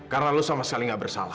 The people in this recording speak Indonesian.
karena kamu sama sekali tidak bersalah